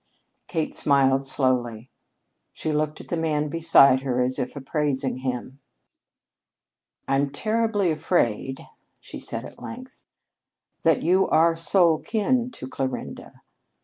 Kate smiled slowly. She looked at the man beside her as if appraising him. "I'm terribly afraid," she said at length, "that you are soul kin to Clarinda.